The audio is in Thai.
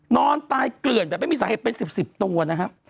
นอนตายเกลื่อนแบบไม่มีสาเหตุเป็น๑๐ตัวนะครับ